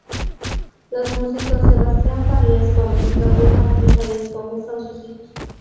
Los músicos Sebastián Farías Gómez y Gabriel Martín Farías Gómez, son sus hijos.